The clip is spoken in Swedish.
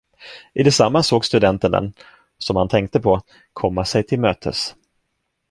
I detsamma såg studenten den, som han tänkte på, komma sig till mötes.